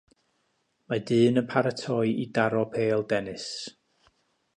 Mae dyn yn paratoi i daro pêl dennis.